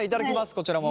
こちらも。